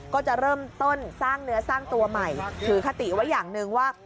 ก็จะเริ่มต้นสร้างเนื้อสร้างตัวใหม่ถือคติไว้อย่างหนึ่งว่า